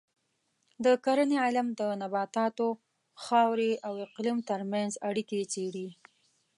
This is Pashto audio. د کرنې علم د نباتاتو، خاورې او اقلیم ترمنځ اړیکې څېړي.